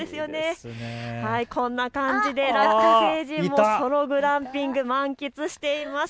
こんな感じでラッカ星人もソログランピング、満喫しています。